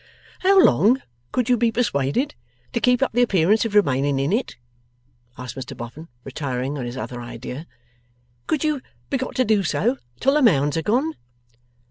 'How long could you be persuaded to keep up the appearance of remaining in it?' asked Mr Boffin, retiring on his other idea. 'Could you be got to do so, till the Mounds are gone?